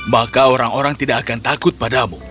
maka orang orang tidak akan takut padamu